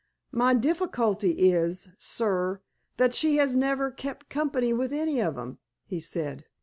"My difficulty is, sir, that she has never kep' company with any of 'em," he said.